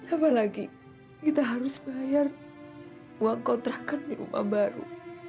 apalagi kita harus bayar uang kontrakan di rumah baru